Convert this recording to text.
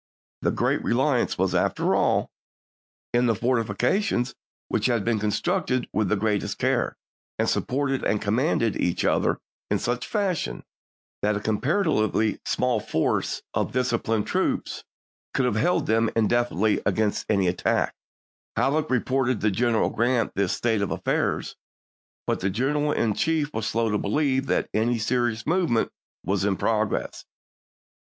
The ton." great reliance was, after all, in the fortifications, 164 ABEAHAM LINCOLN chaf.vii. which had been constructed with the greatest care, and supported and commanded each other in such fashion that a comparatively small force of disci plined troops could have held them indefinitely against any attack. Halleck reported to General Grant this state of affairs, but the General in Chief was slow to believe that any serious movement was in progress.